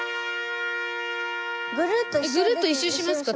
ぐるっと１周しますか？